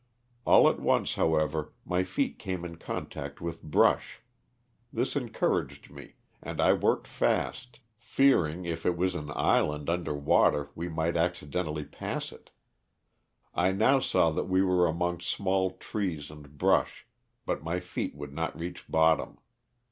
All at once, however, my feet came in contact with brush, this encouraged me, and I worked fast, fearing if it was an island under water we might accidentally pass it. I now saw that we were among small trees and brush, but my feet would not reach bottom.